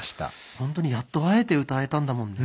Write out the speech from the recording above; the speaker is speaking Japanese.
本当にやっと会えて歌えたんだもんね。